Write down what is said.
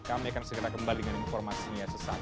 kami akan segera kembali dengan informasinya sesaat lagi